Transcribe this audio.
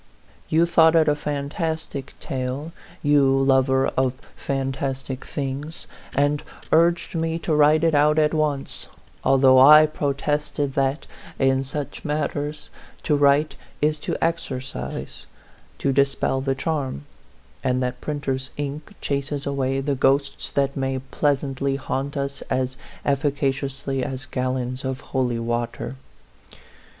You thought it a fantastic tale, you lover of fantastic things, and urged me to write it out at once, although I protested that, in such matters, to write is to exorcise, to dispel the charm; and that printers' ink chases away the ghosts that may pleasantly haunt us as efficaciously as gallons of holy water.